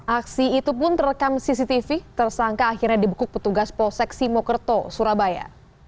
aksi itu pun terekam cctv tersangka akhirnya dibekuk petugas poseksi mokerto surabaya